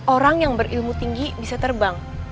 orang yang berilmu tinggi bisa terbang